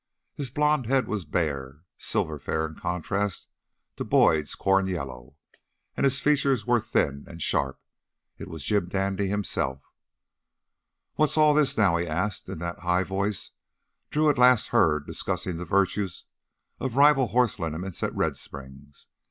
His blond head was bare, silver fair in contrast to Boyd's corn yellow, and his features were thin and sharp. It was Jim Dandy, himself. "What's all this now?" he asked in that high voice Drew had last heard discussing the virtues of rival horse liniments at Red Springs.